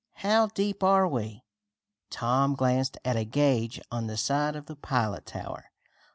How deep are we?" Tom glanced at a gage on the side of the pilot tower.